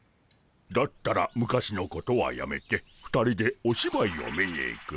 だったら昔のことはやめて２人でおしばいを見に行くモ。